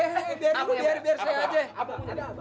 hei hei biar dulu biar saya aja